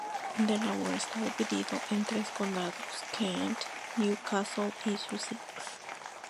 Delaware está dividido en tres condados: Kent, New Castle y Sussex.